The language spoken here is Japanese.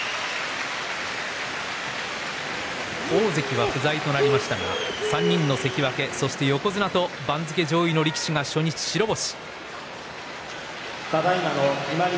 大関は不在となりましたが３人の関脇、そして横綱と番付上位の力士が初日白星。